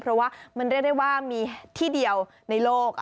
เพราะว่ามันเรียกได้ว่ามีที่เดียวในโลก